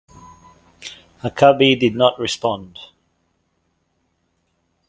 Huckabee did not respond.